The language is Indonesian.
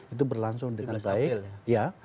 itu berlangsung dengan baik